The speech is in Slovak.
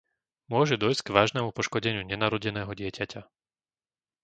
Môže dôjsť k vážnemu poškodeniu nenarodeného dieťaťa.